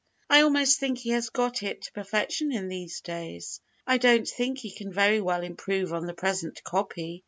I almost think he has got it to perfection in these days. I don't think he can very well improve on the present copy.